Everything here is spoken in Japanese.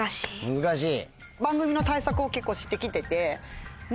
難しい。